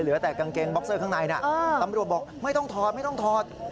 เหลือแต่กางเกงบ็อกเซอร์ข้างในนะตำรวจบอกไม่ต้องถอดไม่ต้องถอด